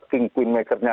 king queen makernya